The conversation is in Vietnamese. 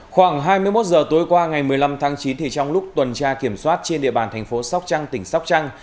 khoảng hai mươi một giờ tối qua ngày một mươi năm tháng chín thì trong lúc tuần tra kiểm soát trên địa bàn thành phố sóc trăng tỉnh sóc trăng